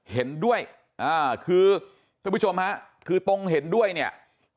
เห็นด้วยอ่าคือท่านผู้ชมฮะคือตรงเห็นด้วยเนี่ย